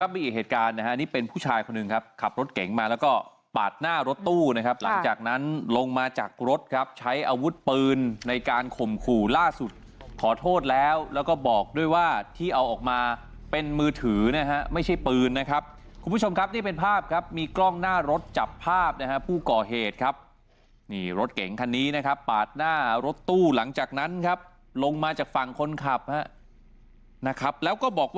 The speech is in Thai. มีอีกเหตุการณ์นะครับนี่เป็นผู้ชายคนหนึ่งครับขับรถเก๋งมาแล้วก็ปาดหน้ารถตู้นะครับหลังจากนั้นลงมาจากรถครับใช้อาวุธปืนในการข่มขู่ล่าสุดขอโทษแล้วแล้วก็บอกด้วยว่าที่เอาออกมาเป็นมือถือนะฮะไม่ใช่ปืนนะครับคุณผู้ชมครับนี่เป็นภาพครับมีกล้องหน้ารถจับภาพนะฮะผู้ก่อเหตุครับนี่รถเก๋งคั